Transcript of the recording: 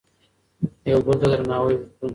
یو بل ته درناوی وکړو.